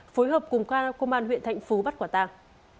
phối hợp cùng công an huyện thạnh phú bắt quả tàng